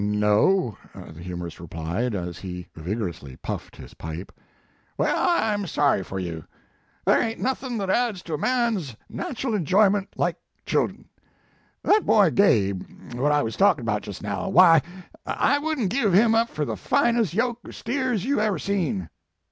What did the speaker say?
" "No," the humorist replied, as he vig orously puffed his pipe. "Well, I m sorry for you. Thar ain t iiothin that adds to a man s nachul enjoyment like chillun. That boy Gabe, what I was talkin about jest now, w y, I wouldn t give him up fur the finest yoke of steers you ever seen."